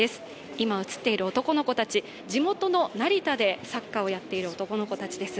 今映っている男の子たち、地元の成田でサッカーをやっている男の子たちです。